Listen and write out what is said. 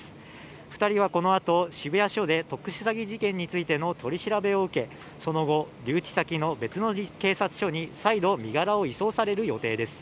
２人はこのあと渋谷署で特殊詐欺事件についての取り調べを受け、その後留置先の別のところに再度、身柄を移送される予定です。